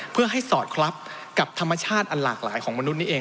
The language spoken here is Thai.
เพื่อให้สอดคลับกับธรรมชาติอันหลากหลายของมนุษย์นี้เอง